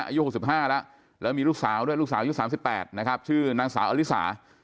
อายุ๖๕แล้วแล้วมีลูกสาวด้วยลูกสาวอายุ๓๘นะครับชื่อนางสาวอลิสา